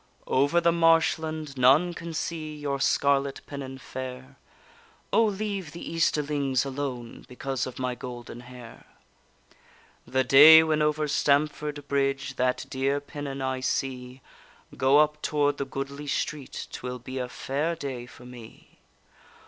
Over the marshland none can see Your scarlet pennon fair; O, leave the Easterlings alone, Because of my golden hair. The day when over Stamford bridge That dear pennon I see Go up toward the goodly street, 'Twill be a fair day for me.